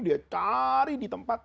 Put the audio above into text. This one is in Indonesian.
dia cari di tempat